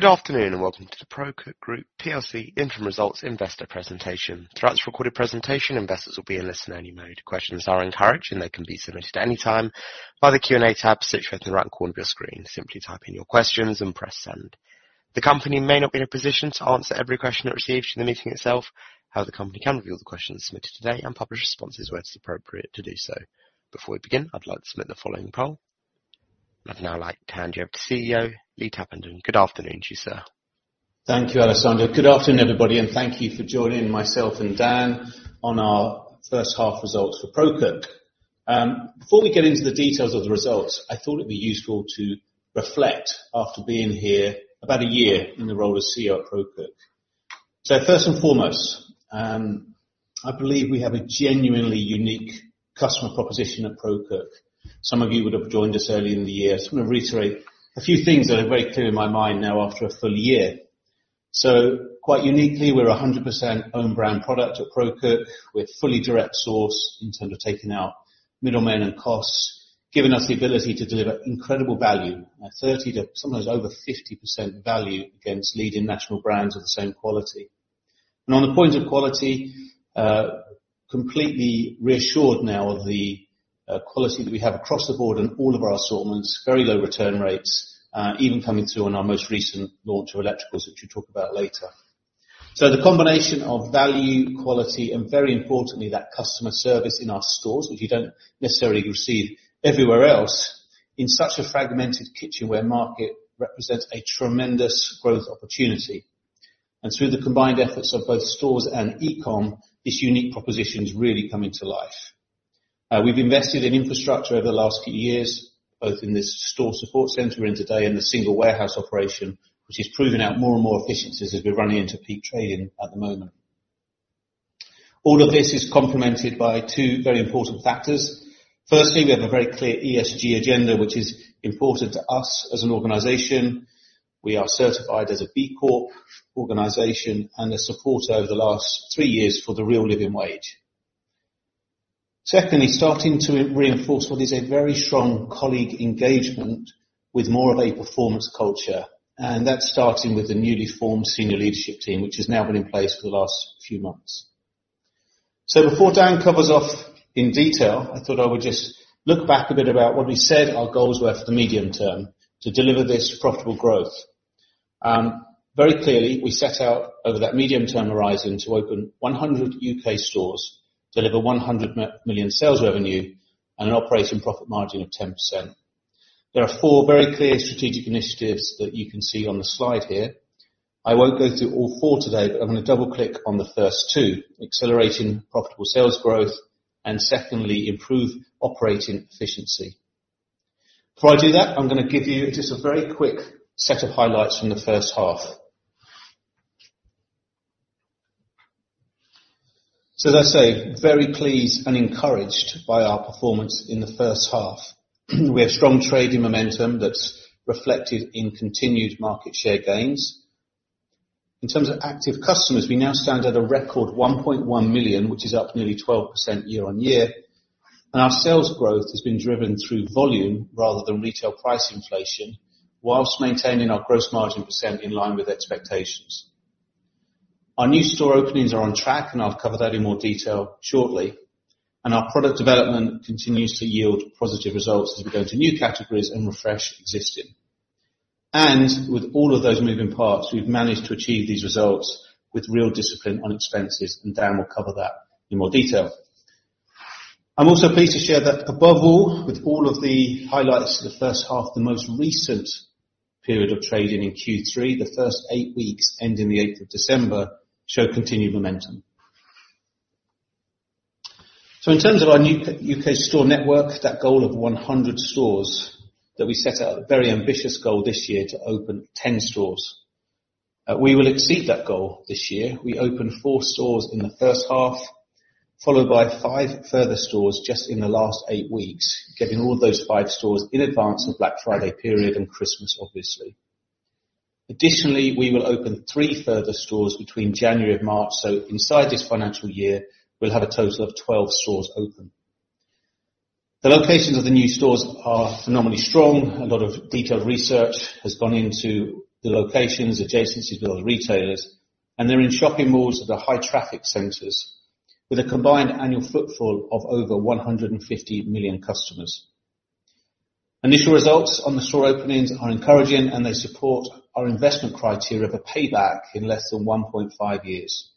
Good afternoon and welcome to the ProCook Group PLC interim results investor presentation. Throughout this recorded presentation, investors will be in listen only mode. Questions are encouraged, and they can be submitted at any time by the Q&A tab situated in the right corner of your screen. Simply type in your questions and press send. The company may not be in a position to answer every question it receives during the meeting itself. However, the company can review the questions submitted today and publish responses where it is appropriate to do so. Before we begin, I'd like to submit the following poll. I'd now like to hand you over to CEO, Lee Tappenden. Good afternoon to you, sir. Thank you, Alessandro. Good afternoon, everybody, and thank you for joining myself and Dan on our first half results for ProCook. Before we get into the details of the results, I thought it'd be useful to reflect after being here about a year in the role as CEO at ProCook. First and foremost, I believe we have a genuinely unique customer proposition at ProCook. Some of you would have joined us earlier in the year. I just want to reiterate a few things that are very clear in my mind now after a full year. Quite uniquely, we're 100% own brand product at ProCook. We're fully direct source in terms of taking out middlemen and costs, giving us the ability to deliver incredible value at 30 to sometimes over 50% value against leading national brands of the same quality. On the point of quality, completely reassured now of the quality that we have across the board on all of our assortments, very low return rates, even coming through on our most recent launch of electricals, which we'll talk about later. The combination of value, quality, and very importantly, that customer service in our stores, which you don't necessarily receive everywhere else, in such a fragmented kitchenware market represents a tremendous growth opportunity. Through the combined efforts of both stores and e-com, this unique proposition is really coming to life. We've invested in infrastructure over the last few years, both in this store support center we're in today and the single warehouse operation, which is proving out more and more efficiencies as we're running into peak trading at the moment. All of this is complemented by two very important factors. Firstly, we have a very clear ESG agenda, which is important to us as an organization. We are certified as a B Corp organization and a supporter over the last three years for the Real Living Wage. Secondly, starting to reinforce what is a very strong colleague engagement with more of a performance culture, and that's starting with the newly formed senior leadership team, which has now been in place for the last few months. Before Dan covers off in detail, I thought I would just look back a bit about what we said our goals were for the medium term to deliver this profitable growth. Very clearly, we set out over that medium-term horizon to open 100 U.K. stores, deliver 100 million sales revenue, and an operating profit margin of 10%. There are four very clear strategic initiatives that you can see on the slide here. I won't go through all four today, I'm going to double click on the first two, accelerating profitable sales growth and secondly, improve operating efficiency. Before I do that, I'm going to give you just a very quick set of highlights from the first half. As I say, very pleased and encouraged by our performance in the first half. We have strong trading momentum that's reflected in continued market share gains. In terms of active customers, we now stand at a record 1.1 million, which is up nearly 12% year-on-year, whilst our sales growth has been driven through volume rather than retail price inflation, maintaining our gross margin percent in line with expectations. Our new store openings are on track, I'll cover that in more detail shortly. Our product development continues to yield positive results as we go into new categories and refresh existing. With all of those moving parts, we've managed to achieve these results with real discipline on expenses, Dan will cover that in more detail. I'm also pleased to share that above all, with all of the highlights of the first half, the most recent period of trading in Q3, the first eight weeks ending the 8th of December, show continued momentum. In terms of our new U.K. store network, that goal of 100 stores that we set out a very ambitious goal this year to open 10 stores. We will exceed that goal this year. We opened four stores in the first half, followed by five further stores just in the last eight weeks, getting all those five stores in advance of Black Friday period and Christmas, obviously. Additionally, we will open three further stores between January and March. Inside this financial year, we'll have a total of 12 stores open. The locations of the new stores are phenomenally strong. A lot of detailed research has gone into the locations, adjacencies with other retailers, and they're in shopping malls that are high traffic centers with a combined annual footfall of over 150 million customers. Initial results on the store openings are encouraging, and they support our investment criteria of a payback in less than 1.5 years.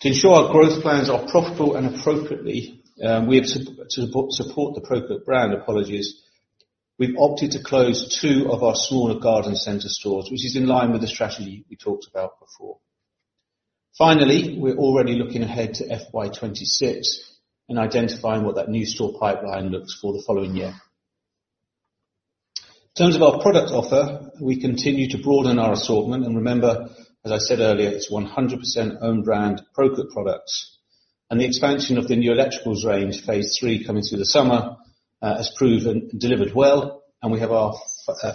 To ensure our growth plans are profitable and appropriately, we have to support the ProCook brand. Apologies. We've opted to close two of our smaller garden center stores, which is in line with the strategy we talked about before. We're already looking ahead to FY 2026 and identifying what that new store pipeline looks for the following year. In terms of our product offer, we continue to broaden our assortment. Remember, as I said earlier, it's 100% own brand ProCook products. The expansion of the new electricals range, phase 3 coming through the summer, has proven delivered well, and we have our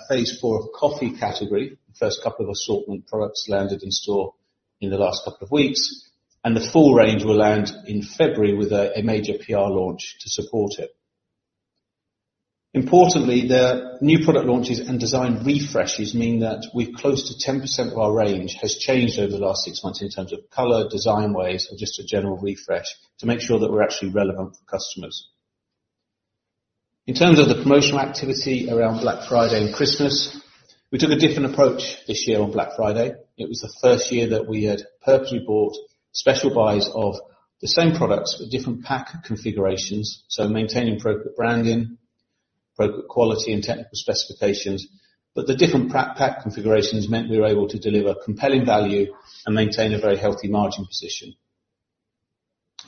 phase 4 of coffee category. The first couple of assortment products landed in store in the last couple of weeks, and the full range will land in February with a major PR launch to support it. Importantly, the new product launches and design refreshes mean that we're close to 10% of our range has changed over the last six months in terms of color, design-wise, or just a general refresh to make sure that we're actually relevant for customers. In terms of the promotional activity around Black Friday and Christmas, we took a different approach this year on Black Friday. It was the first year that we had purposely bought special buys of the same products with different pack configurations, so maintaining ProCook branding, ProCook quality, and technical specifications. The different pack configurations meant we were able to deliver compelling value and maintain a very healthy margin position.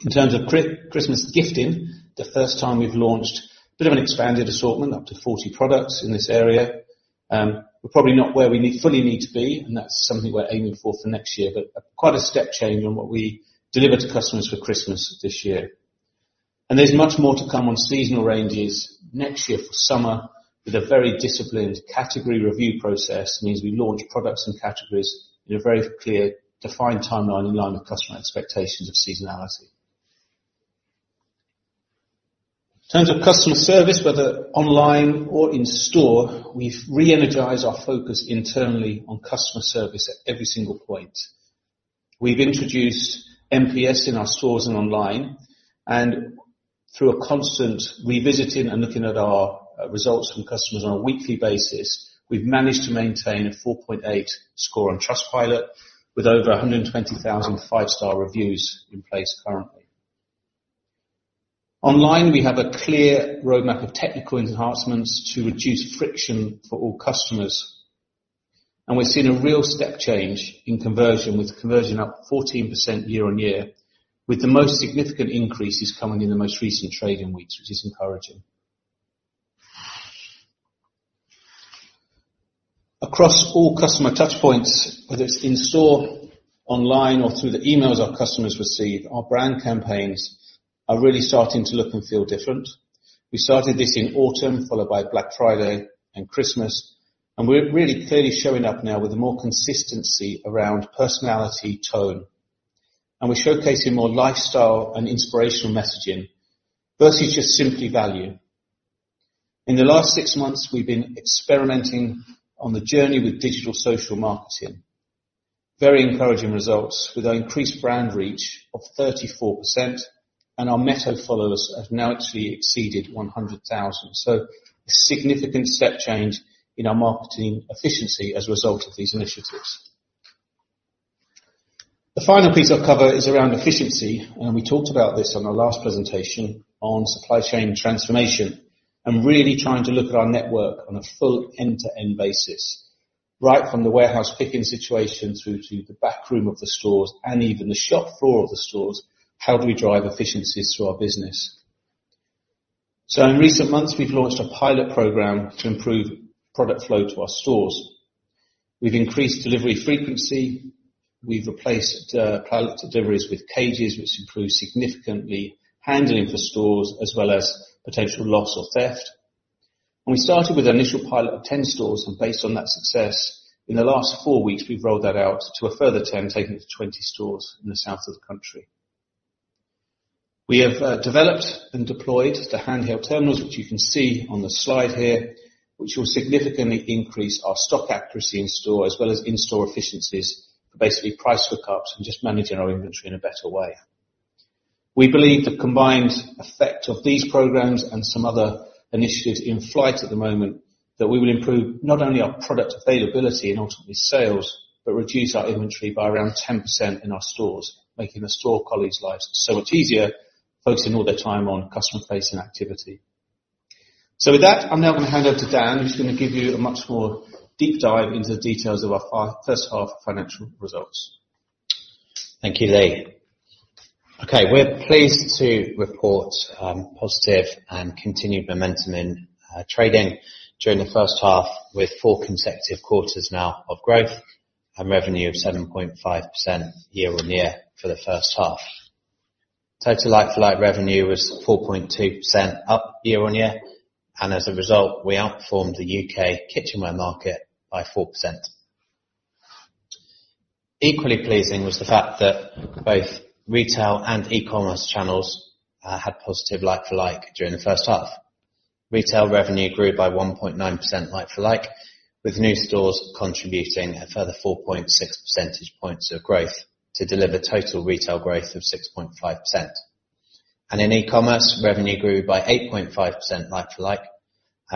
In terms of Christmas gifting, the first time we've launched a bit of an expanded assortment, up to 40 products in this area. We're probably not where we fully need to be, and that's something we're aiming for next year, but quite a step change on what we delivered to customers for Christmas this year. There's much more to come on seasonal ranges next year for summer, with a very disciplined category review process means we launch products and categories in a very clear, defined timeline in line with customer expectations of seasonality. In terms of customer service, whether online or in store, we've re-energized our focus internally on customer service at every single point. We've introduced NPS in our stores and online. Through a constant revisiting and looking at our results from customers on a weekly basis, we've managed to maintain a 4.8 score on Trustpilot with over 120,000 5-star reviews in place currently. Online, we have a clear roadmap of technical enhancements to reduce friction for all customers. We're seeing a real step change in conversion with conversion up 14% year-on-year, with the most significant increases coming in the most recent trading weeks, which is encouraging. Across all customer touch points, whether it's in store, online or through the emails our customers receive, our brand campaigns are really starting to look and feel different. We started this in autumn, followed by Black Friday and Christmas. We're really clearly showing up now with more consistency around personality tone. We're showcasing more lifestyle and inspirational messaging versus just simply value. In the last six months, we've been experimenting on the journey with digital social marketing. Very encouraging results with our increased brand reach of 34%, and our Meta followers have now actually exceeded 100,000. A significant step change in our marketing efficiency as a result of these initiatives. The final piece I'll cover is around efficiency. We talked about this on our last presentation on supply chain transformation and really trying to look at our network on a full end-to-end basis. Right from the warehouse picking situation through to the back room of the stores and even the shop floor of the stores, how do we drive efficiencies through our business? In recent months, we've launched a pilot program to improve product flow to our stores. We've increased delivery frequency. We've replaced pallet deliveries with cages, which improves significantly handling for stores as well as potential loss or theft. We started with an initial pilot of 10 stores, and based on that success, in the last four weeks, we've rolled that out to a further 10, taking it to 20 stores in the south of the country. We have developed and deployed the handheld terminals, which you can see on the slide here, which will significantly increase our stock accuracy in store as well as in-store efficiencies for basically price lookups and just managing our inventory in a better way. We believe the combined effect of these programs and some other initiatives in flight at the moment that we will improve not only our product availability and ultimately sales, but reduce our inventory by around 10% in our stores, making the store colleagues' lives so much easier, focusing all their time on customer-facing activity. With that, I'm now going to hand over to Dan, who's going to give you a much more deep dive into the details of our first half financial results. Thank you, Lee. We're pleased to report positive and continued momentum in trading during the first half with four consecutive quarters now of growth and revenue of 7.5% year-on-year for the first half. Total like-for-like revenue was 4.2% up year-on-year, and as a result, we outperformed the U.K. kitchenware market by 4%. Equally pleasing was the fact that both retail and e-commerce channels had positive like-for-like during the first half. Retail revenue grew by 1.9% like-for-like, with new stores contributing a further 4.6 percentage points of growth to deliver total retail growth of 6.5%. In e-commerce, revenue grew by 8.5% like-for-like,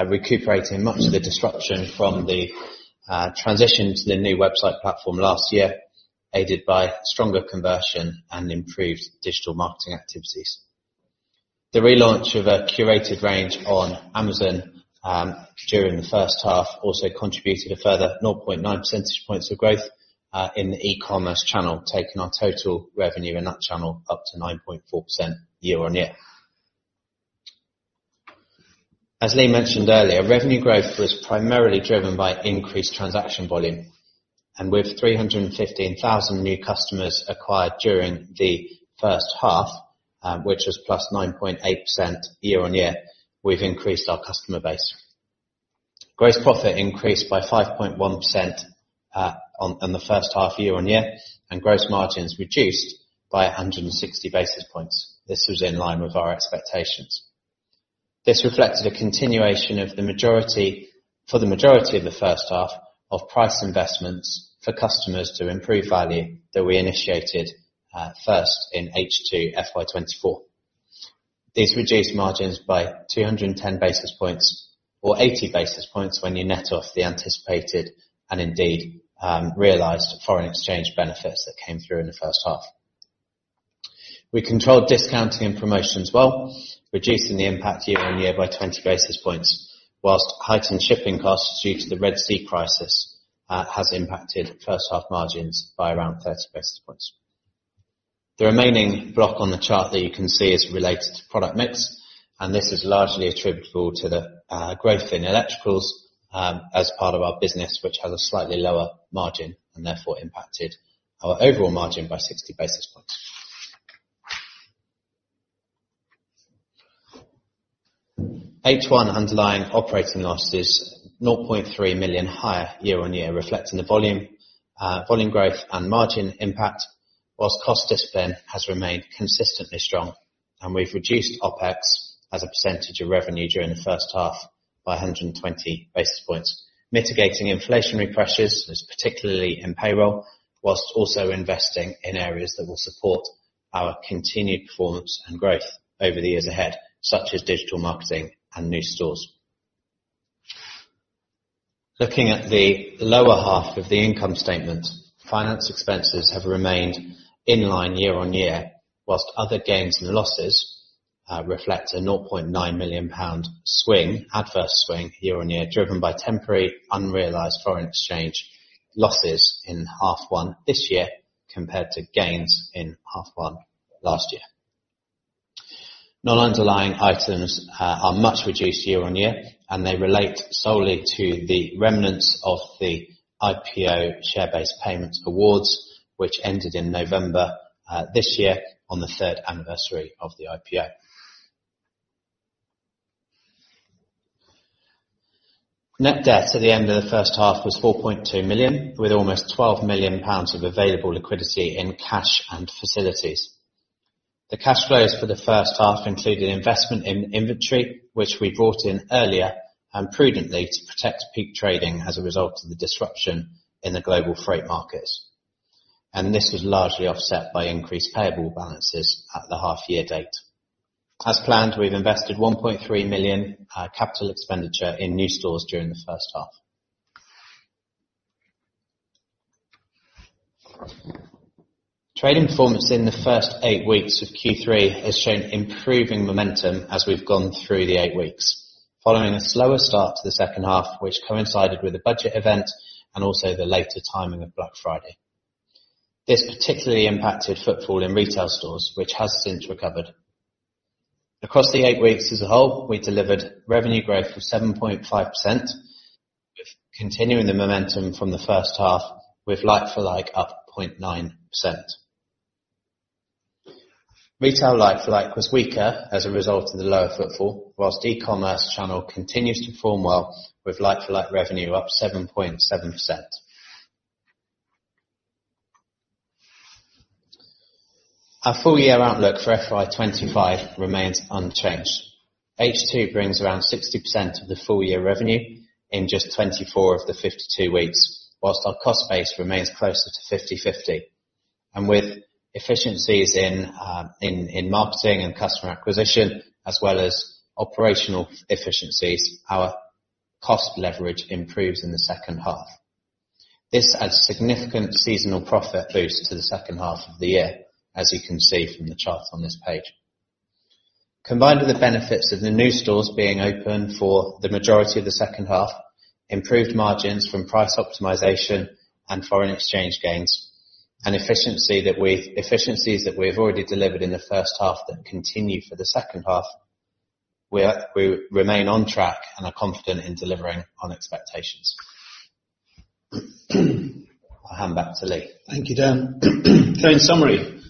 recuperating much of the disruption from the transition to the new website platform last year, aided by stronger conversion and improved digital marketing activities. The relaunch of a curated range on Amazon during the first half also contributed a further 0.9 percentage points of growth, in the e-commerce channel, taking our total revenue in that channel up to 9.4% year-on-year. As Lee mentioned earlier, revenue growth was primarily driven by increased transaction volume. With 315,000 new customers acquired during the first half, which was +9.8% year-on-year, we've increased our customer base. Gross profit increased by 5.1% in the first half year-on-year, and gross margins reduced by 160 basis points. This was in line with our expectations. This reflected a continuation for the majority of the first half of price investments for customers to improve value that we initiated first in H2 FY 2024. These reduced margins by 210 basis points or 80 basis points when you net off the anticipated and indeed realized foreign exchange benefits that came through in the first half. We controlled discounting and promotions well, reducing the impact year-on-year by 20 basis points, whilst heightened shipping costs due to the Red Sea crisis has impacted first half margins by around 30 basis points. The remaining block on the chart that you can see is related to product mix, and this is largely attributable to the growth in electricals as part of our business, which has a slightly lower margin and therefore impacted our overall margin by 60 basis points. H1 underlying operating losses, 0.3 million higher year-on-year, reflecting the volume growth and margin impact, whilst cost discipline has remained consistently strong, and we've reduced OpEx as a percentage of revenue during the first half by 120 basis points. Mitigating inflationary pressures was particularly in payroll, whilst also investing in areas that will support our continued performance and growth over the years ahead, such as digital marketing and new stores. Looking at the lower half of the income statement, finance expenses have remained in line year-on-year, whilst other gains and losses reflect a 0.9 million pound adverse swing year-on-year, driven by temporary unrealized foreign exchange losses in half one this year compared to gains in half one last year. Non-underlying items are much reduced year-on-year, and they relate solely to the remnants of the IPO share-based payment awards, which ended in November this year on the third anniversary of the IPO. Net debt at the end of the first half was 4.2 million, with almost 12 million pounds of available liquidity in cash and facilities. The cash flows for the first half included investment in inventory, which we brought in earlier and prudently to protect peak trading as a result of the disruption in the global freight markets. This was largely offset by increased payable balances at the half-year date. As planned, we've invested 1.3 million capital expenditure in new stores during the first half. Trading performance in the first eight weeks of Q3 has shown improving momentum as we've gone through the eight weeks following a slower start to the second half, which coincided with the budget event and also the later timing of Black Friday. This particularly impacted footfall in retail stores, which has since recovered. Across the eight weeks as a whole, we delivered revenue growth of 7.5%, with continuing the momentum from the first half with like-for-like up 0.9%. Retail like-for-like was weaker as a result of the lower footfall, whilst e-commerce channel continues to perform well with like-for-like revenue up 7.7%. Our full year outlook for FY 2025 remains unchanged. H2 brings around 60% of the full year revenue in just 24 of the 52 weeks, whilst our cost base remains closer to 50/50. With efficiencies in marketing and customer acquisition, as well as operational efficiencies, our cost leverage improves in the second half. This adds significant seasonal profit boost to the second half of the year, as you can see from the chart on this page. Combined with the benefits of the new stores being open for the majority of the second half, improved margins from price optimization and foreign exchange gains, and efficiencies that we've already delivered in the first half that continue for the second half, we remain on track and are confident in delivering on expectations. I'll hand back to Lee. Thank you, Dan. In summary,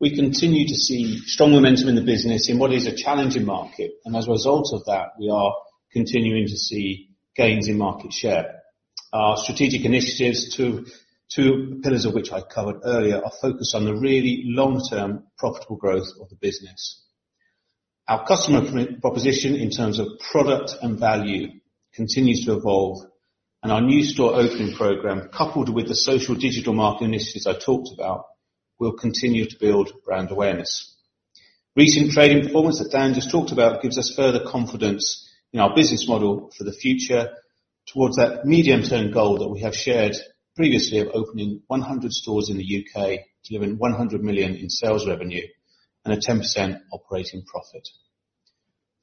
we continue to see strong momentum in the business in what is a challenging market. As a result of that, we are continuing to see gains in market share. Our strategic initiatives, two pillars of which I covered earlier, are focused on the really long-term profitable growth of the business. Our customer proposition in terms of product and value continues to evolve, and our new store opening program, coupled with the social digital marketing initiatives I talked about, will continue to build brand awareness. Recent trading performance that Dan just talked about gives us further confidence in our business model for the future towards that medium-term goal that we have shared previously of opening 100 stores in the U.K., delivering 100 million in sales revenue and a 10% operating profit.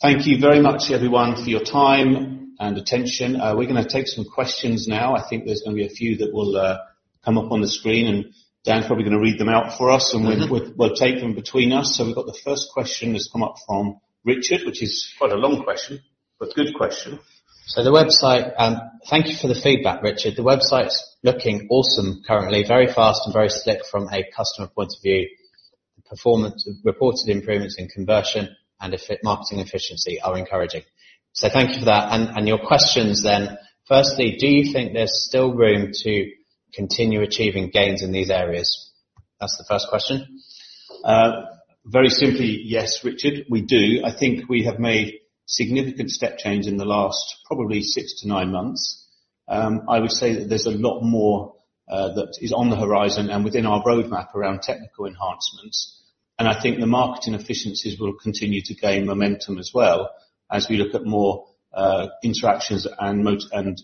Thank you very much, everyone, for your time and attention. We're going to take some questions now. I think there's going to be a few that will come up on the screen, and Dan's probably going to read them out for us, and we'll take them between us. We've got the first question has come up from Richard, which is quite a long question, but good question. Thank you for the feedback, Richard. The website's looking awesome currently, very fast and very slick from a customer point of view. The performance of reported improvements in conversion and marketing efficiency are encouraging. Thank you for that. Your questions then, firstly, do you think there's still room to continue achieving gains in these areas? That's the first question. Very simply, yes, Richard, we do. I think we have made significant step change in the last probably six to nine months. I would say that there's a lot more that is on the horizon and within our roadmap around technical enhancements, and I think the marketing efficiencies will continue to gain momentum as well as we look at more interactions and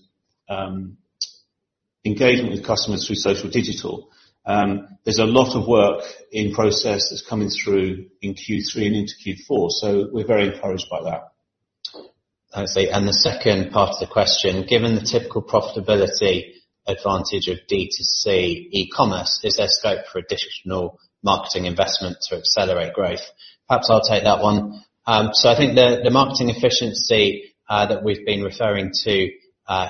engagement with customers through social digital. There's a lot of work in process that's coming through in Q3 and into Q4. We're very encouraged by that. I see. The second part of the question, given the typical profitability advantage of D2C e-commerce, is there scope for additional marketing investment to accelerate growth? Perhaps I'll take that one. I think the marketing efficiency that we've been referring to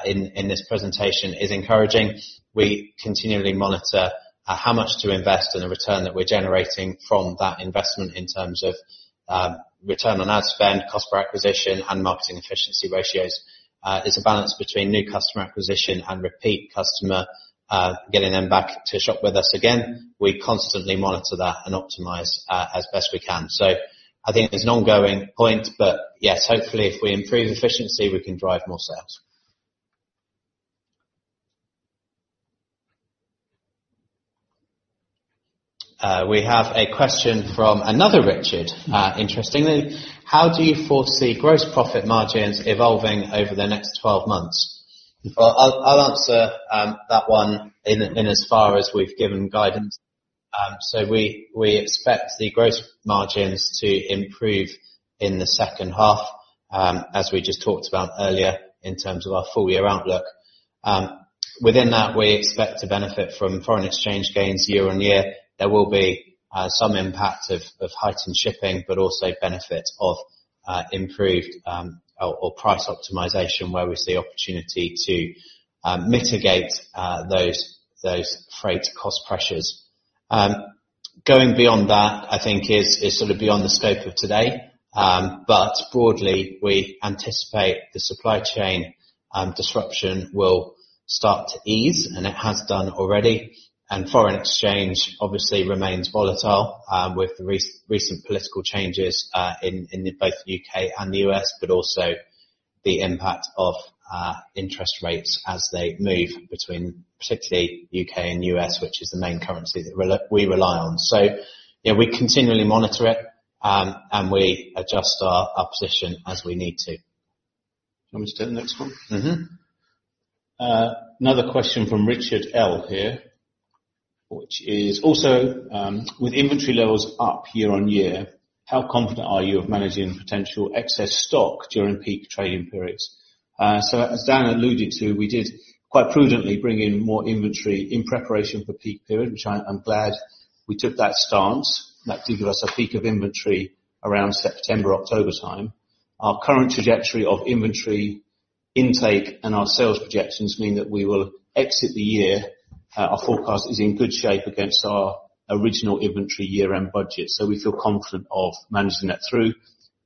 in this presentation is encouraging. We continually monitor how much to invest and the return that we're generating from that investment in terms of return on ad spend, cost per acquisition, and marketing efficiency ratios. It's a balance between new customer acquisition and repeat customer, getting them back to shop with us again. We constantly monitor that and optimize as best we can. I think there's an ongoing point. Yes, hopefully if we improve efficiency, we can drive more sales. We have a question from another Richard, interestingly. How do you foresee gross profit margins evolving over the next 12 months? I'll answer that one in as far as we've given guidance. We expect the gross margins to improve in the second half, as we just talked about earlier in terms of our full year outlook. Within that, we expect to benefit from foreign exchange gains year-on-year. There will be some impact of heightened shipping, but also benefit of improved or price optimization where we see opportunity to mitigate those freight cost pressures. Going beyond that, I think is sort of beyond the scope of today. Broadly, we anticipate the supply chain disruption will start to ease, and it has done already. Foreign exchange obviously remains volatile, with the recent political changes in both the U.K. and the U.S., but also the impact of interest rates as they move between particularly U.K. and U.S., which is the main currency that we rely on. Yeah, we continually monitor it, and we adjust our position as we need to. Do you want me to take the next one? Another question from Richard L. here, which is also with inventory levels up year-on-year, how confident are you of managing potential excess stock during peak trading periods? As Dan alluded to, we did quite prudently bring in more inventory in preparation for peak period, which I'm glad we took that stance. That did give us a peak of inventory around September, October time. Our current trajectory of inventory intake and our sales projections mean that we will exit the year, our forecast is in good shape against our original inventory year-end budget, we feel confident of managing that through.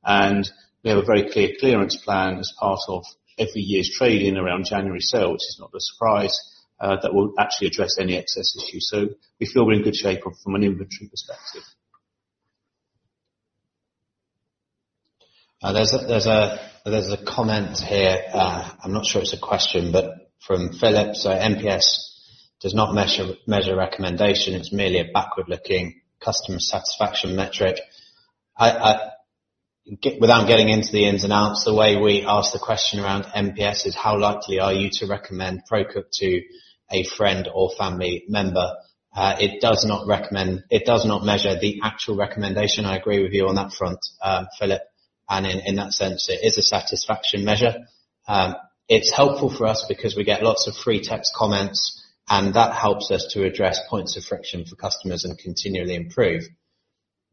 We have a very clear clearance plan as part of every year's trading around January sale, which is not a surprise, that will actually address any excess issue. We feel we're in good shape from an inventory perspective. There's a comment here, I'm not sure it's a question, but from Philip. NPS does not measure recommendation. It's merely a backward-looking customer satisfaction metric. Without getting into the ins and outs, the way we ask the question around NPS is how likely are you to recommend ProCook to a friend or family member? It does not measure the actual recommendation. I agree with you on that front, Philip. In that sense, it is a satisfaction measure. It's helpful for us because we get lots of free text comments, and that helps us to address points of friction for customers and continually improve.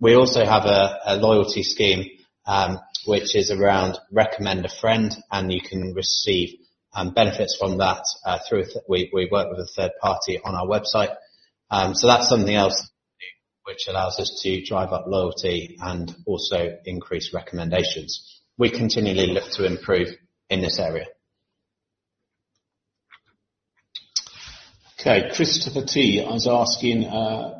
We also have a loyalty scheme, which is around recommend a friend, and you can receive benefits from that through, we work with a third party on our website. That's something else which allows us to drive up loyalty and also increase recommendations. We continually look to improve in this area. Okay. Christopher T is asking,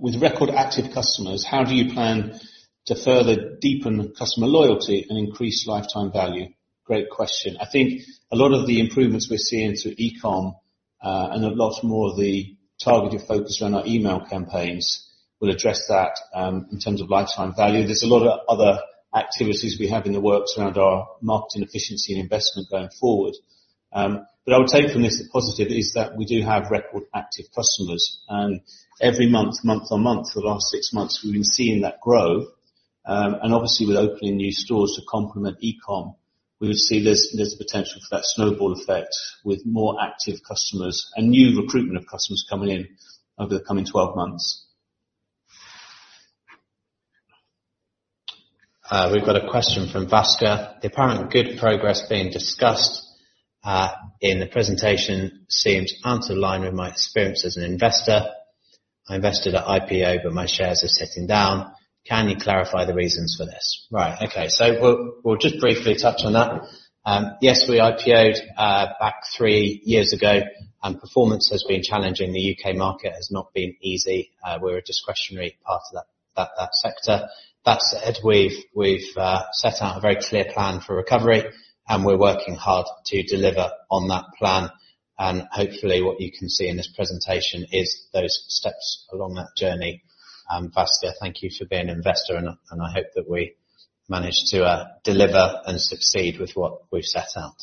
with record active customers, how do you plan to further deepen customer loyalty and increase lifetime value? Great question. I think a lot of the improvements we're seeing through e-com, and a lot more of the targeted focus around our email campaigns will address that in terms of lifetime value. There's a lot of other activities we have in the works around our marketing efficiency and investment going forward. I would take from this, the positive is that we do have record active customers, and every month-on-month for the last six months, we've been seeing that grow. Obviously with opening new stores to complement e-com, we would see there's potential for that snowball effect with more active customers and new recruitment of customers coming in over the coming 12 months. We've got a question from Vaska. The apparent good progress being discussed, in the presentation seems out of line with my experience as an investor. I invested at IPO, but my shares are sitting down. Can you clarify the reasons for this? Right. Okay. We'll just briefly touch on that. Yes, we IPO'd back three years ago, and performance has been challenging. The U.K. market has not been easy. We're a discretionary part of that sector. That said, we've set out a very clear plan for recovery, and we're working hard to deliver on that plan. Hopefully, what you can see in this presentation is those steps along that journey. Vaska, thank you for being an investor, and I hope that we manage to deliver and succeed with what we've set out.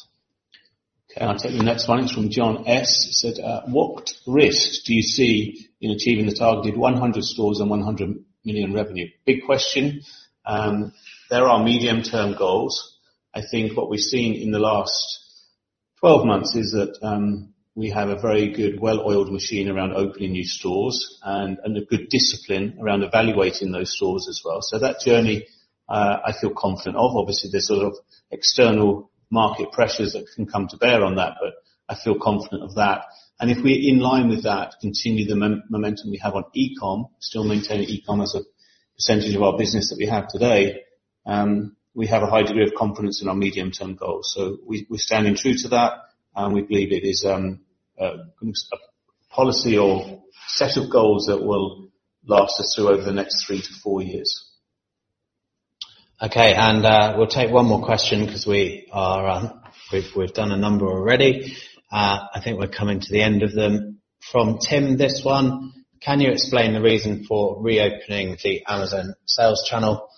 Okay. I'll take the next one. It's from John S., said, what risks do you see in achieving the targeted 100 stores and 100 million revenue? Big question. There are medium term goals. I think what we've seen in the last 12 months is that, we have a very good, well-oiled machine around opening new stores and a good discipline around evaluating those stores as well. That journey, I feel confident of. Obviously, there's a lot of external market pressures that can come to bear on that, but I feel confident of that. If we, in line with that, continue the momentum we have on e-com, still maintain e-com as a percentage of our business that we have today, we have a high degree of confidence in our medium term goals. We're standing true to that, and we believe it is a policy or set of goals that will last us through over the next three to four years. Okay. We'll take one more question because we've done a number already. I think we're coming to the end of them. From Tim, this one, can you explain the reason for reopening the Amazon sales channel?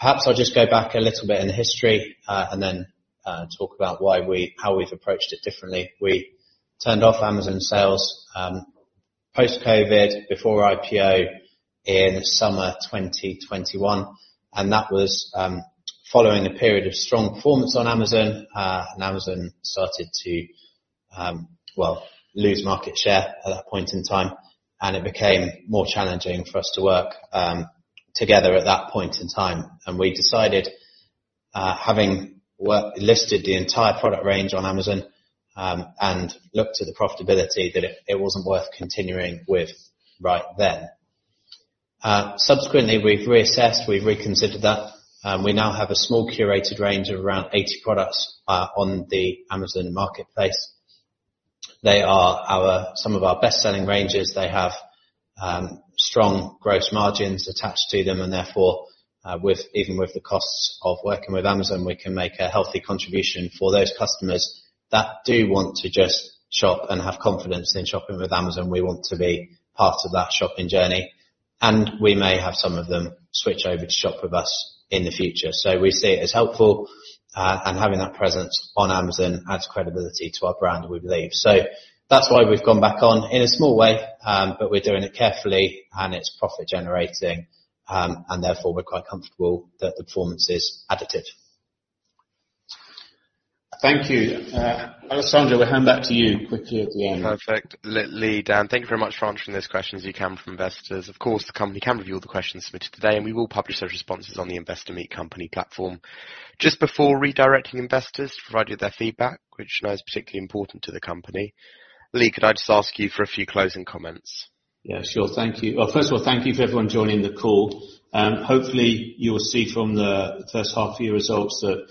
Perhaps I'll just go back a little bit in the history, and then talk about how we've approached it differently. We turned off Amazon sales post-COVID, before IPO in summer 2021, and that was following a period of strong performance on Amazon. Amazon started to, well, lose market share at that point in time, and it became more challenging for us to work together at that point in time. We decided, having listed the entire product range on Amazon, and looked at the profitability that it wasn't worth continuing with right then. Subsequently, we've reassessed, we've reconsidered that. We now have a small curated range of around 80 products on the Amazon Marketplace. They are some of our best-selling ranges. They have strong gross margins attached to them and therefore, even with the costs of working with Amazon, we can make a healthy contribution for those customers that do want to just shop and have confidence in shopping with Amazon. We want to be part of that shopping journey, and we may have some of them switch over to shop with us in the future. We see it as helpful, and having that presence on Amazon adds credibility to our brand, we believe. That's why we've gone back on in a small way, but we're doing it carefully and it's profit-generating. Therefore, we're quite comfortable that the performance is additive. Thank you. Alessandro, we'll hand back to you quickly at the end. Perfect. Lee, Dan, thank you very much for answering those questions you can from investors. Of course, the company can review all the questions submitted today, and we will publish those responses on the Investor Meet Company platform. Just before redirecting investors to provide you their feedback, which I know is particularly important to the company, Lee, could I just ask you for a few closing comments? Yeah, sure. Thank you. First of all, thank you for everyone joining the call. Hopefully, you will see from the first half year results that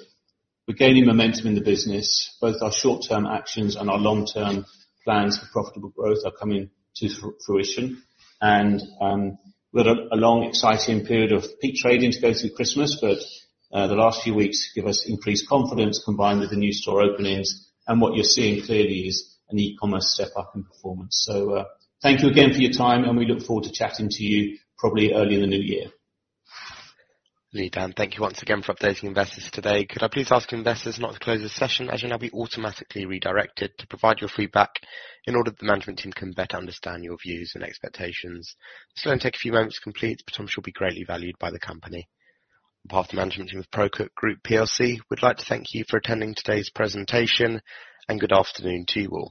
we're gaining momentum in the business. Both our short-term actions and our long-term plans for profitable growth are coming to fruition. We've got a long exciting period of peak trading to go through Christmas, but, the last few weeks give us increased confidence combined with the new store openings. What you're seeing clearly is an e-commerce step up in performance. Thank you again for your time, and we look forward to chatting to you probably early in the new year. Lee, Dan, thank you once again for updating investors today. Could I please ask investors now to close this session as you'll now be automatically redirected to provide your feedback in order that the management team can better understand your views and expectations. This will only take a few moments to complete, but I'm sure it will be greatly valued by the company. On behalf of the management team of ProCook Group PLC, we'd like to thank you for attending today's presentation, and good afternoon to you all.